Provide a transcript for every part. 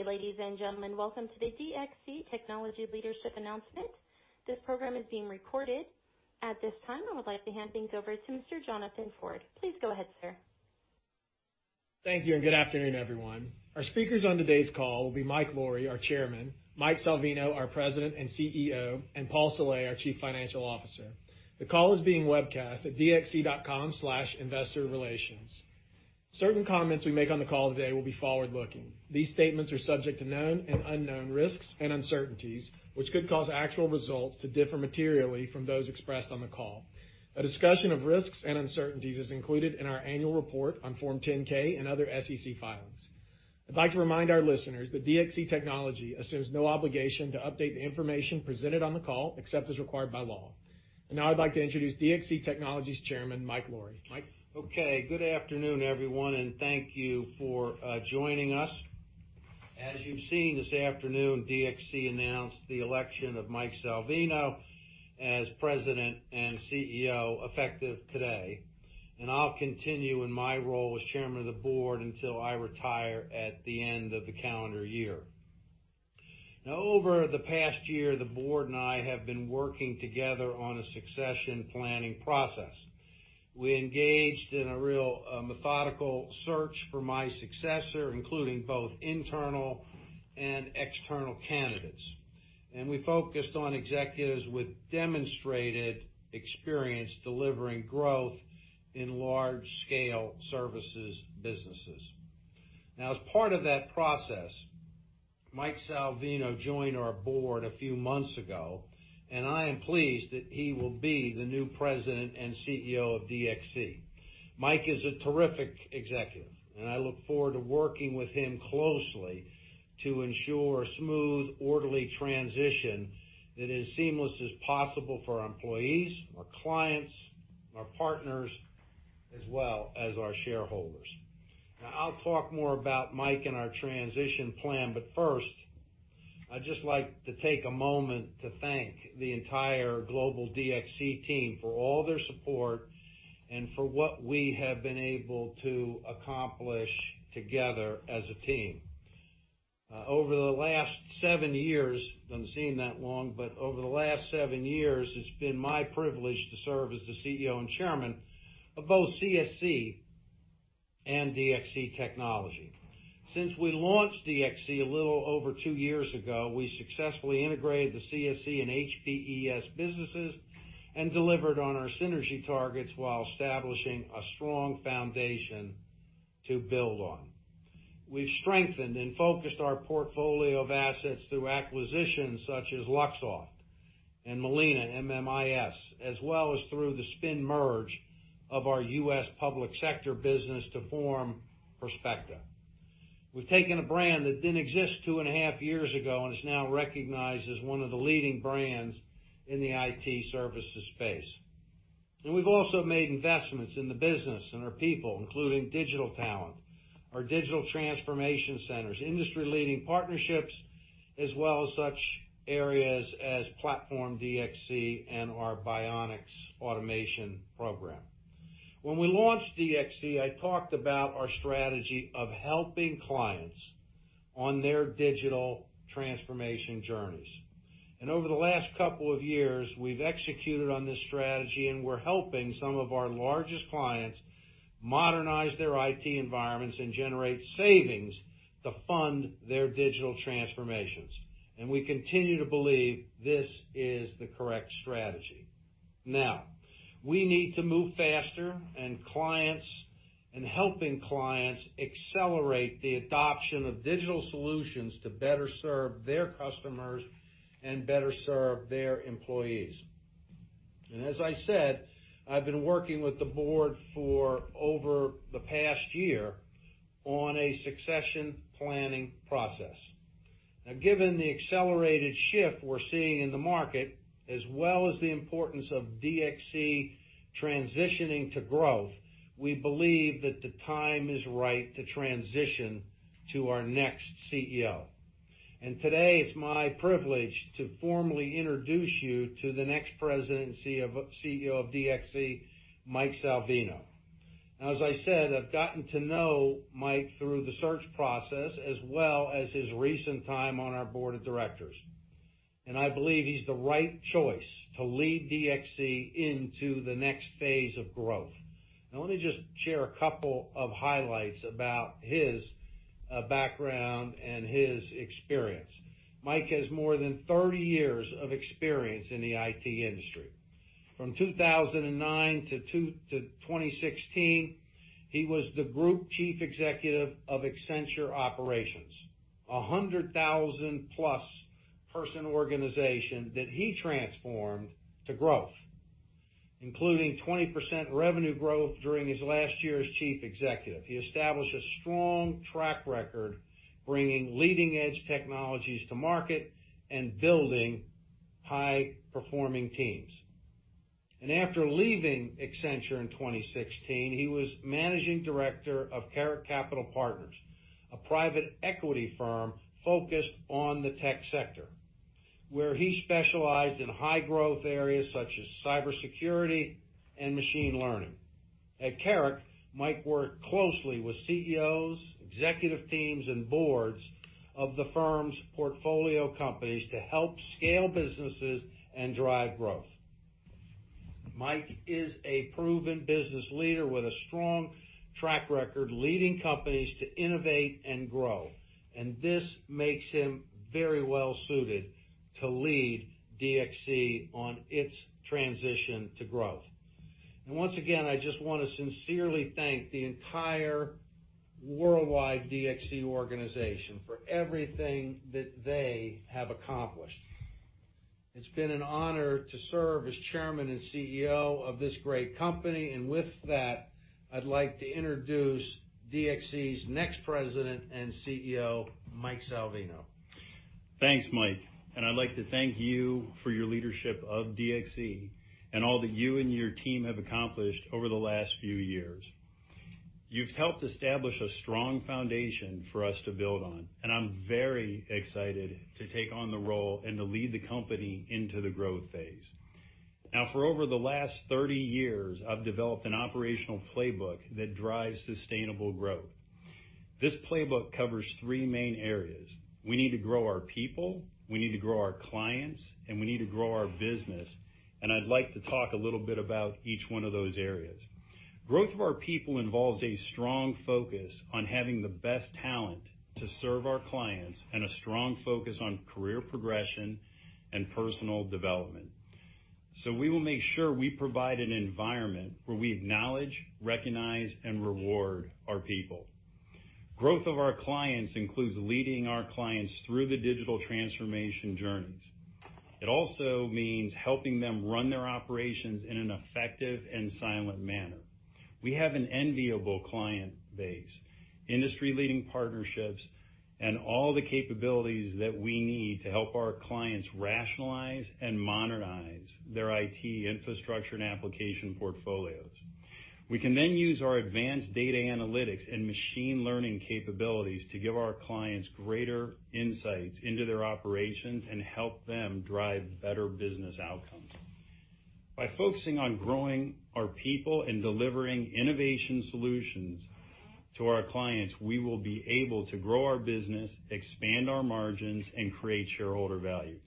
Good day, ladies and gentlemen. Welcome to the DXC Technology Leadership Announcement. This program is being recorded. At this time, I would like to hand things over to Mr. Jonathan Ford. Please go ahead, sir. Thank you, and good afternoon, everyone. Our speakers on today's call will be Mike Lawrie, our Chairman; Mike Salvino, our President and CEO; and Paul Saleh, our Chief Financial Officer. The call is being webcast at dxc.com/investorrelations. Certain comments we make on the call today will be forward-looking. These statements are subject to known and unknown risks and uncertainties, which could cause actual results to differ materially from those expressed on the call. A discussion of risks and uncertainties is included in our annual report on Form 10-K and other SEC filings. I'd like to remind our listeners that DXC Technology assumes no obligation to update the information presented on the call except as required by law. And now I'd like to introduce DXC Technology's Chairman, Mike Lawrie. Mike. Okay. Good afternoon, everyone, and thank you for joining us. As you've seen this afternoon, DXC announced the election of Mike Salvino as President and CEO effective today. And I'll continue in my role as Chairman of the Board until I retire at the end of the calendar year. Now, over the past year, the Board and I have been working together on a succession planning process. We engaged in a real methodical search for my successor, including both internal and external candidates. And we focused on executives with demonstrated experience delivering growth in large-scale services businesses. Now, as part of that process, Mike Salvino joined our Board a few months ago, and I am pleased that he will be the new President and CEO of DXC. Mike is a terrific executive, and I look forward to working with him closely to ensure a smooth, orderly transition that is seamless as possible for our employees, our clients, our partners, as well as our shareholders. Now, I'll talk more about Mike and our transition plan, but first, I'd just like to take a moment to thank the entire global DXC team for all their support and for what we have been able to accomplish together as a team. Over the last seven years, I haven't seen that long, but over the last seven years, it's been my privilege to serve as the CEO and Chairman of both CSC and DXC Technology. Since we launched DXC a little over two years ago, we successfully integrated the CSC and HPES businesses and delivered on our synergy targets while establishing a strong foundation to build on. We've strengthened and focused our portfolio of assets through acquisitions such as Luxoft and Molina MMS, as well as through the Spin-Merge of our U.S. Public Sector business to form Perspecta. We've taken a brand that didn't exist two and a half years ago and is now recognized as one of the leading brands in the IT services space. And we've also made investments in the business and our people, including digital talent, our Digital Transformation Centers, industry-leading partnerships, as well as such areas as Platform DXC and our DXC Bionics automation program. When we launched DXC, I talked about our strategy of helping clients on their digital transformation journeys. And over the last couple of years, we've executed on this strategy, and we're helping some of our largest clients modernize their IT environments and generate savings to fund their digital transformations. And we continue to believe this is the correct strategy. Now, we need to move faster and help clients accelerate the adoption of digital solutions to better serve their customers and better serve their employees. And as I said, I've been working with the Board for over the past year on a succession planning process. Now, given the accelerated shift we're seeing in the market, as well as the importance of DXC transitioning to growth, we believe that the time is right to transition to our next CEO. And today, it's my privilege to formally introduce you to the next President and CEO of DXC, Mike Salvino. Now, as I said, I've gotten to know Mike through the search process, as well as his recent time on our Board of Directors. And I believe he's the right choice to lead DXC into the next phase of growth. Now, let me just share a couple of highlights about his background and his experience. Mike has more than 30 years of experience in the IT industry. From 2009 to 2016, he was the Group Chief Executive of Accenture Operations, a 100,000+ person organization that he transformed to growth, including 20% revenue growth during his last year as Chief Executive. He established a strong track record bringing leading-edge technologies to market and building high-performing teams. And after leaving Accenture in 2016, he was Managing Director of Carrick Capital Partners, a private equity firm focused on the tech sector, where he specialized in high-growth areas such as cybersecurity and machine learning. At Carrick, Mike worked closely with CEOs, executive teams, and boards of the firm's portfolio companies to help scale businesses and drive growth. Mike is a proven business leader with a strong track record leading companies to innovate and grow. This makes him very well-suited to lead DXC on its transition to growth. Once again, I just want to sincerely thank the entire worldwide DXC organization for everything that they have accomplished. It's been an honor to serve as Chairman and CEO of this great company. With that, I'd like to introduce DXC's next President and CEO, Mike Salvino. Thanks, Mike. And I'd like to thank you for your leadership of DXC and all that you and your team have accomplished over the last few years. You've helped establish a strong foundation for us to build on, and I'm very excited to take on the role and to lead the company into the growth phase. Now, for over the last 30 years, I've developed an operational playbook that drives sustainable growth. This playbook covers three main areas. We need to grow our people, we need to grow our clients, and we need to grow our business. And I'd like to talk a little bit about each one of those areas. Growth of our people involves a strong focus on having the best talent to serve our clients and a strong focus on career progression and personal development. We will make sure we provide an environment where we acknowledge, recognize, and reward our people. Growth of our clients includes leading our clients through the digital transformation journeys. It also means helping them run their operations in an effective and silent manner. We have an enviable client base, industry-leading partnerships, and all the capabilities that we need to help our clients rationalize and modernize their IT infrastructure and application portfolios. We can then use our advanced data analytics and machine learning capabilities to give our clients greater insights into their operations and help them drive better business outcomes. By focusing on growing our people and delivering innovation solutions to our clients, we will be able to grow our business, expand our margins, and create shareholder value.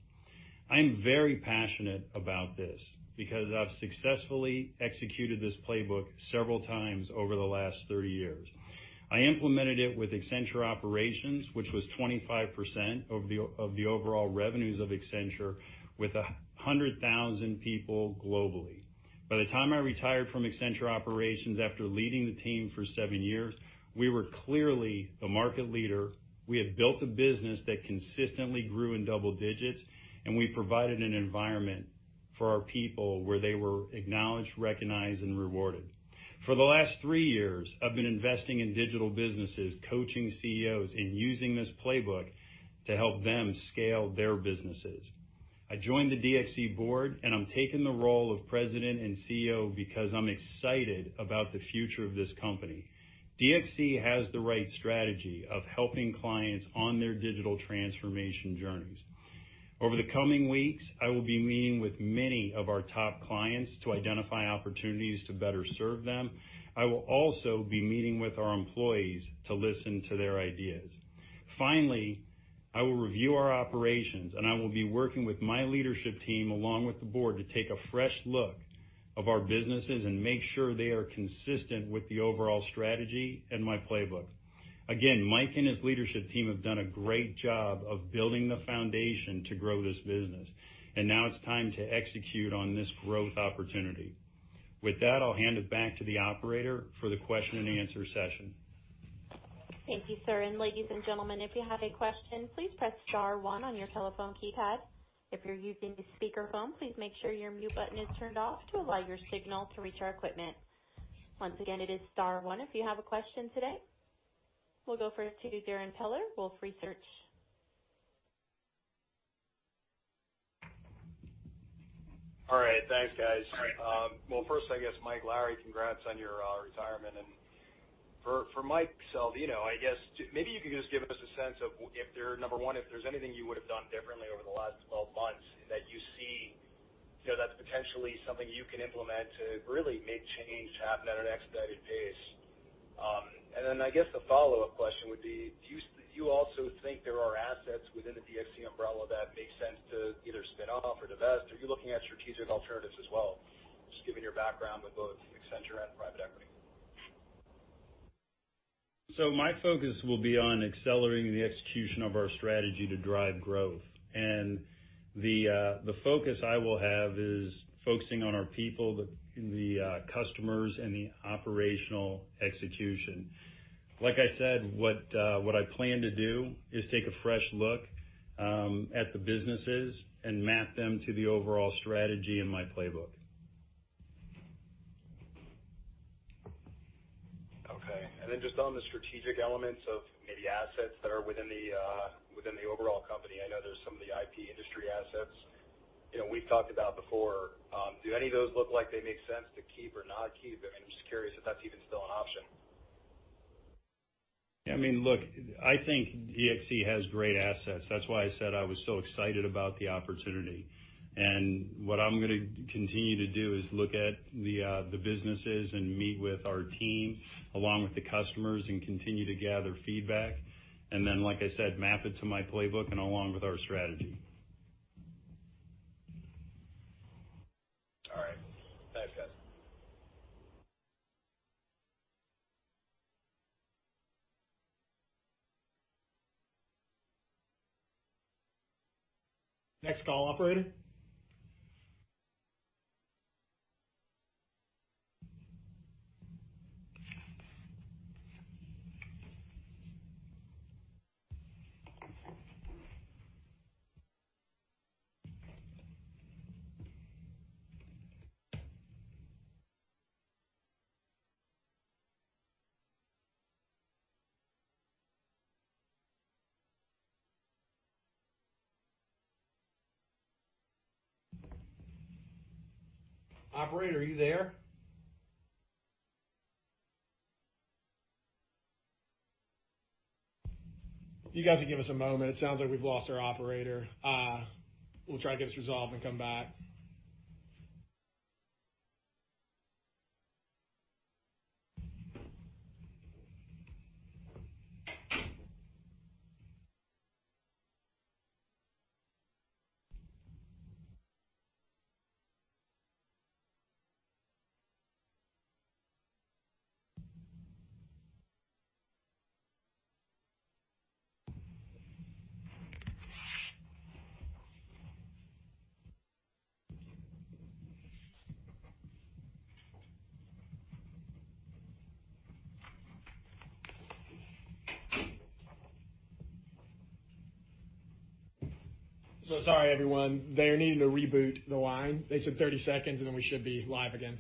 I'm very passionate about this because I've successfully executed this playbook several times over the last 30 years. I implemented it with Accenture Operations, which was 25% of the overall revenues of Accenture, with 100,000 people globally. By the time I retired from Accenture Operations after leading the team for seven years, we were clearly the market leader. We had built a business that consistently grew in double digits, and we provided an environment for our people where they were acknowledged, recognized, and rewarded. For the last three years, I've been investing in digital businesses, coaching CEOs, and using this playbook to help them scale their businesses. I joined the DXC Board, and I'm taking the role of President and CEO because I'm excited about the future of this company. DXC has the right strategy of helping clients on their digital transformation journeys. Over the coming weeks, I will be meeting with many of our top clients to identify opportunities to better serve them. I will also be meeting with our employees to listen to their ideas. Finally, I will review our operations, and I will be working with my leadership team along with the Board to take a fresh look at our businesses and make sure they are consistent with the overall strategy and my playbook. Again, Mike and his leadership team have done a great job of building the foundation to grow this business, and now it's time to execute on this growth opportunity. With that, I'll hand it back to the operator for the question-and-answer session. Thank you, sir. And ladies and gentlemen, if you have a question, please press star one on your telephone keypad. If you're using a speakerphone, please make sure your mute button is turned off to allow your signal to reach our equipment. Once again, it is star one if you have a question today. We'll go first to Darrin Peller, Wolfe Research. All right. Thanks, guys. Well, first, I guess, Mike Lawrie, congrats on your retirement, and for Mike Salvino, I guess, maybe you could just give us a sense of, number one, if there's anything you would have done differently over the last 12 months that you see that's potentially something you can implement to really make change happen at an expedited pace, and then I guess the follow-up question would be, do you also think there are assets within the DXC umbrella that make sense to either spin-off or divest? Are you looking at strategic alternatives as well, just given your background with both Accenture and private equity? My focus will be on accelerating the execution of our strategy to drive growth. The focus I will have is focusing on our people, the customers, and the operational execution. Like I said, what I plan to do is take a fresh look at the businesses and map them to the overall strategy in my playbook. Okay. And then just on the strategic elements of maybe assets that are within the overall company, I know there's some of the IP industry assets we've talked about before. Do any of those look like they make sense to keep or not keep? I mean, I'm just curious if that's even still an option. Yeah. I mean, look, I think DXC has great assets. That's why I said I was so excited about the opportunity, and what I'm going to continue to do is look at the businesses and meet with our team along with the customers and continue to gather feedback, and then, like I said, map it to my playbook and along with our strategy. All right. Thanks, guys. Next call, operator. Operator, are you there? You got to give us a moment. It sounds like we've lost our operator. We'll try to get this resolved and come back. So sorry, everyone. They are needing to reboot the line. They said 30 seconds, and then we should be live again.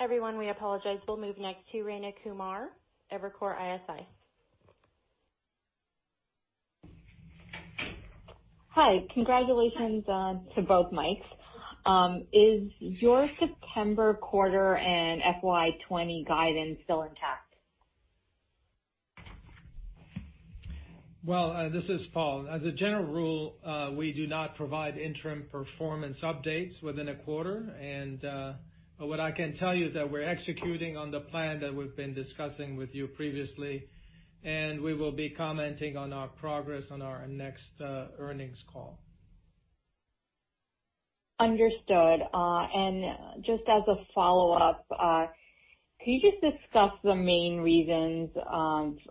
Everyone, we apologize. We'll move next to Rayna Kumar, Evercore ISI. Hi. Congratulations to both Mikes. Is your September quarter and FY20 guidance still intact? This is Paul. As a general rule, we do not provide interim performance updates within a quarter, and what I can tell you is that we're executing on the plan that we've been discussing with you previously, and we will be commenting on our progress on our next earnings call. Understood. And just as a follow-up, could you just discuss the main reasons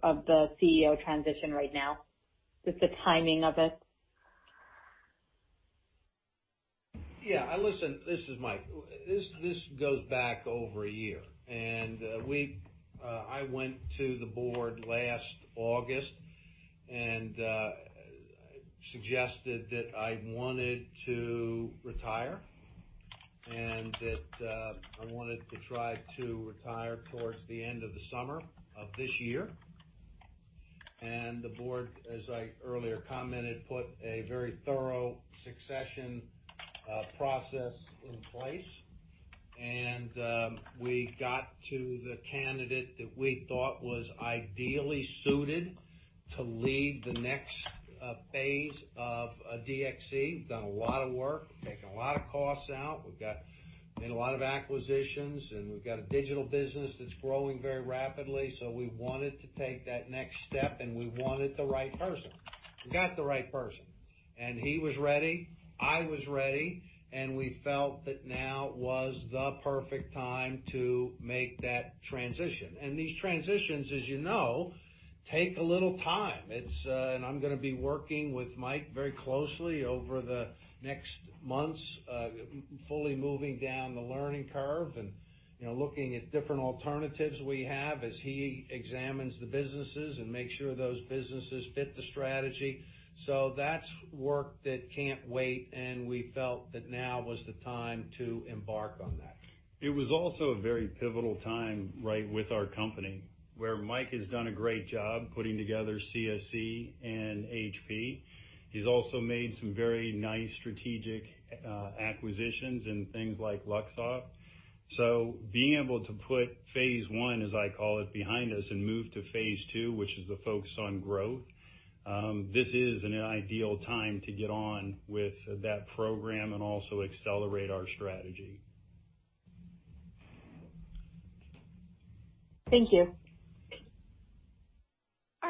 of the CEO transition right now? Just the timing of it. Yeah. This is Mike. This goes back over a year. And I went to the board last August and suggested that I wanted to retire and that I wanted to try to retire towards the end of the summer of this year. And the board, as I earlier commented, put a very thorough succession process in place. And we got to the candidate that we thought was ideally suited to lead the next phase of DXC. We've done a lot of work, taken a lot of costs out. We've made a lot of acquisitions, and we've got a digital business that's growing very rapidly. So we wanted to take that next step, and we wanted the right person. We got the right person. And he was ready. I was ready. And we felt that now was the perfect time to make that transition. These transitions, as you know, take a little time. I'm going to be working with Mike very closely over the next months, fully moving down the learning curve and looking at different alternatives we have as he examines the businesses and makes sure those businesses fit the strategy. That's work that can't wait. We felt that now was the time to embark on that. It was also a very pivotal time right with our company where Mike has done a great job putting together CSC and HP. He's also made some very nice strategic acquisitions in things like Luxoft. So being able to put phase one, as I call it, behind us and move to phase two, which is the focus on growth, this is an ideal time to get on with that program and also accelerate our strategy. Thank you.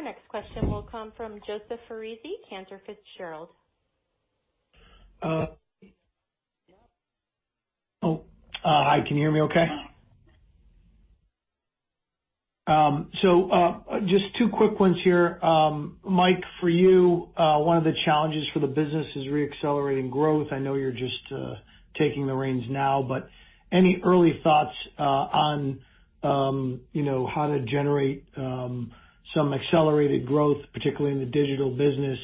Our next question will come from Joseph Foresi, Cantor Fitzgerald. Hi. Can you hear me okay? So just two quick ones here. Mike, for you, one of the challenges for the business is re-accelerating growth. I know you're just taking the reins now, but any early thoughts on how to generate some accelerated growth, particularly in the digital business?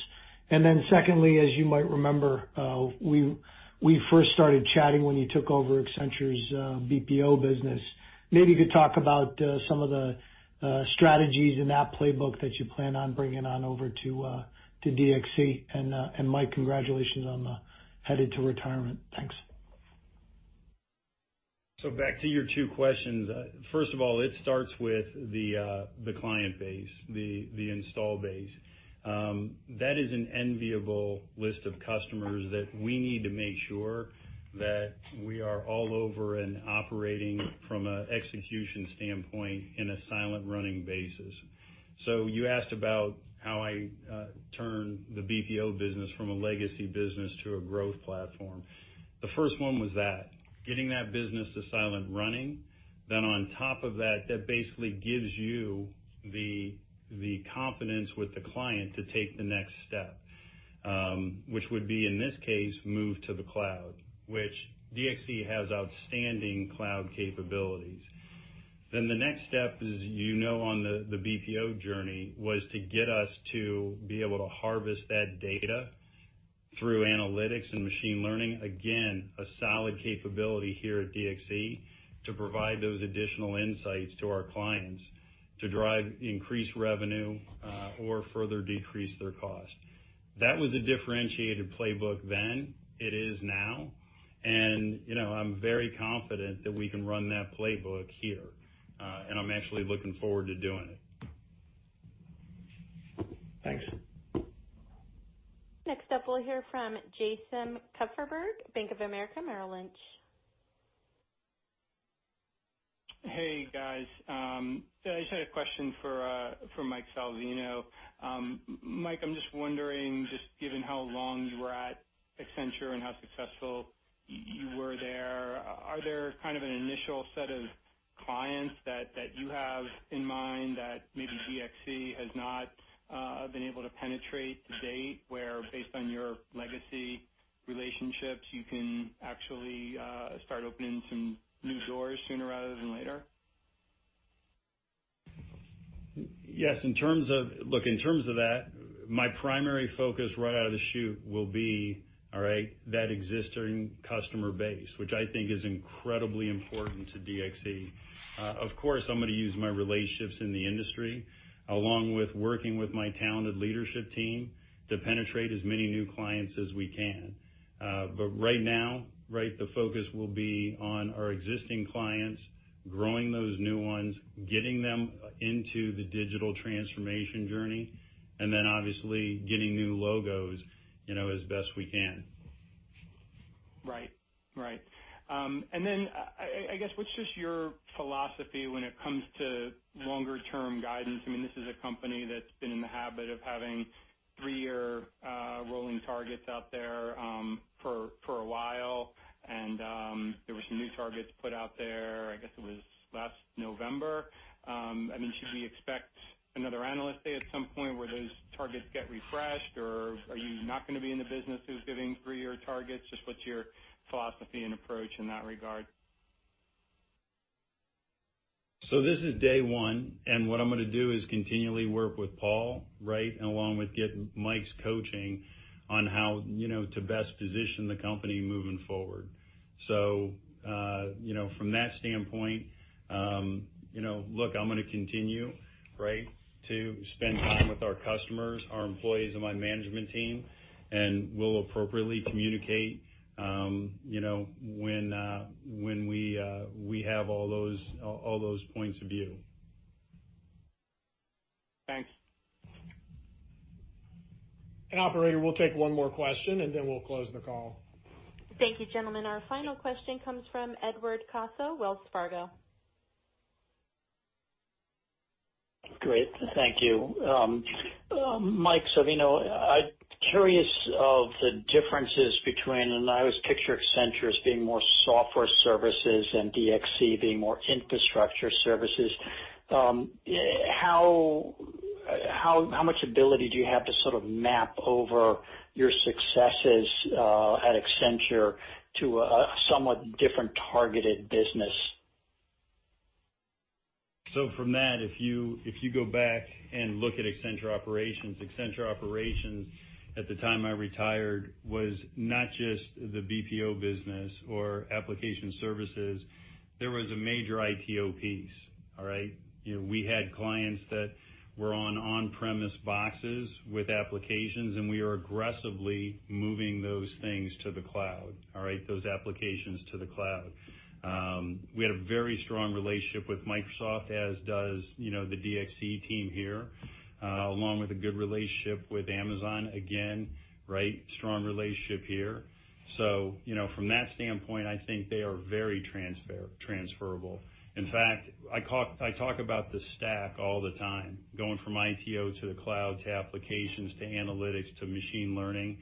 And then secondly, as you might remember, we first started chatting when you took over Accenture's BPO business. Maybe you could talk about some of the strategies in that playbook that you plan on bringing on over to DXC. And Mike, congratulations on heading to retirement. Thanks. So back to your two questions. First of all, it starts with the client base, the install base. That is an enviable list of customers that we need to make sure that we are all over and operating from an execution standpoint in a silent running basis. So you asked about how I turn the BPO business from a legacy business to a growth platform. The first one was that, getting that business to silent running, then on top of that, that basically gives you the confidence with the client to take the next step, which would be, in this case, move to the cloud, which DXC has outstanding cloud capabilities. Then the next step, as you know, on the BPO journey was to get us to be able to harvest that data through analytics and machine learning. Again, a solid capability here at DXC to provide those additional insights to our clients to drive increased revenue or further decrease their cost. That was a differentiated playbook then. It is now. And I'm very confident that we can run that playbook here. And I'm actually looking forward to doing it. Thanks. Next up, we'll hear from Jason Kupferberg, Bank of America Merrill Lynch. Hey, guys. I just had a question for Mike Salvino. Mike, I'm just wondering, just given how long you were at Accenture and how successful you were there, are there kind of an initial set of clients that you have in mind that maybe DXC has not been able to penetrate to date where, based on your legacy relationships, you can actually start opening some new doors sooner rather than later? Yes. Look, in terms of that, my primary focus right out of the chute will be, all right, that existing customer base, which I think is incredibly important to DXC. Of course, I'm going to use my relationships in the industry along with working with my talented leadership team to penetrate as many new clients as we can. But right now, right, the focus will be on our existing clients, growing those new ones, getting them into the digital transformation journey, and then, obviously, getting new logos as best we can. Right. Right. And then, I guess, what's just your philosophy when it comes to longer-term guidance? I mean, this is a company that's been in the habit of having three-year rolling targets out there for a while. And there were some new targets put out there. I guess it was last November. I mean, should we expect another analyst day at some point where those targets get refreshed, or are you not going to be in the business of giving three-year targets? Just what's your philosophy and approach in that regard? So this is day one. And what I'm going to do is continually work with Paul, right, along with getting Mike's coaching on how to best position the company moving forward. So from that standpoint, look, I'm going to continue, right, to spend time with our customers, our employees, and my management team. And we'll appropriately communicate when we have all those points of view. Thanks. Operator, we'll take one more question, and then we'll close the call. Thank you, gentlemen. Our final question comes from Edward Caso, Wells Fargo. Great. Thank you. Mike Salvino, I'm curious of the differences between and I always picture Accenture as being more software services and DXC being more infrastructure services. How much ability do you have to sort of map over your successes at Accenture to a somewhat different targeted business? So from that, if you go back and look at Accenture operations, Accenture operations at the time I retired was not just the BPO business or application services. There was a major ITO piece, all right? We had clients that were on-premise boxes with applications, and we were aggressively moving those things to the cloud, all right, those applications to the cloud. We had a very strong relationship with Microsoft, as does the DXC team here, along with a good relationship with Amazon, again, right, strong relationship here. So from that standpoint, I think they are very transferable. In fact, I talk about the stack all the time, going from ITO to the cloud to applications to analytics to machine learning.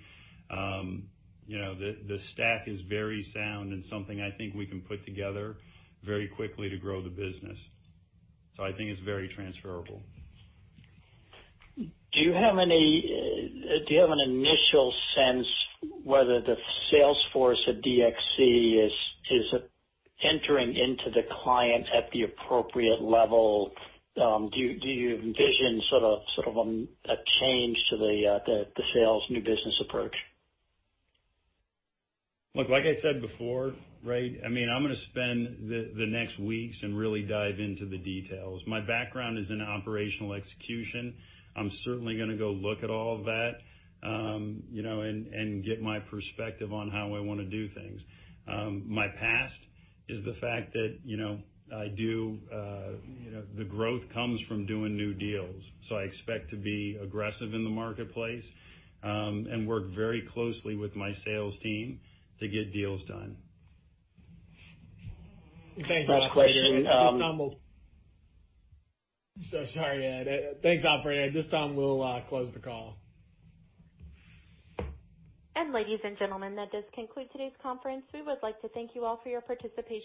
The stack is very sound and something I think we can put together very quickly to grow the business. So I think it's very transferable. Do you have an initial sense whether the sales force at DXC is entering into the client at the appropriate level? Do you envision sort of a change to the sales new business approach? Look, like I said before, right, I mean, I'm going to spend the next weeks and really dive into the details. My background is in operational execution. I'm certainly going to go look at all of that and get my perspective on how I want to do things. My past is the fact that I do the growth comes from doing new deals. So I expect to be aggressive in the marketplace and work very closely with my sales team to get deals done. Thanks, operator. Thanks, operator. This time, we'll close the call. Ladies and gentlemen, that does conclude today's conference. We would like to thank you all for your participation.